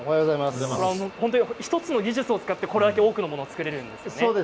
１つの技術を使ってこれだけ多くのものを作れるんですね。